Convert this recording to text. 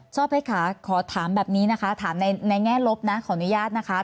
่อเพชรค่ะขอถามแบบนี้นะคะถามในแง่ลบนะขออนุญาตนะคะ